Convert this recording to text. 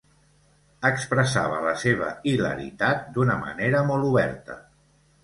Expressava la seva hilaritat d'una manera molt oberta.